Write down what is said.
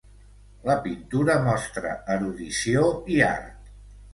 La pintura mostra erudició i art.